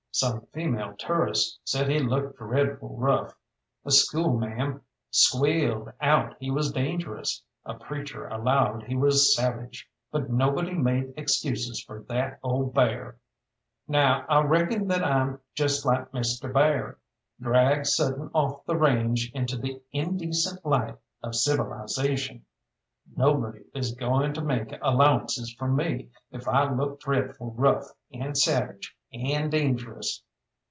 Some female tourists said he looked dreadful rough, a school ma'am squealed out he was dangerous, a preacher allowed he was savage, but nobody made excuses for that old bear. Now I reckon that I'm just like Mr. Bear, dragged sudden off the range into the indecent light of civilization. Nobody is going to make allowances for me if I look dreadful rough, and savage, and dangerous.